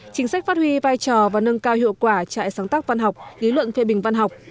chính sách phát huy vai trò và nâng cao hiệu quả trại sáng tác văn học lý luận phê bình văn học